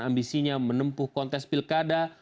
ambisinya menempuh kontes pilkada